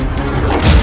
sehingga em patience